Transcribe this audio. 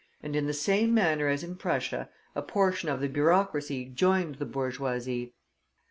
And in the same manner as in Prussia, a portion of the bureaucracy joined the bourgeoisie.